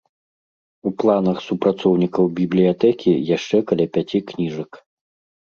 У планах супрацоўнікаў бібліятэкі яшчэ каля пяці кніжак.